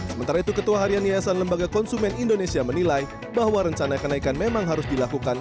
sementara itu ketua harian yayasan lembaga konsumen indonesia menilai bahwa rencana kenaikan memang harus dilakukan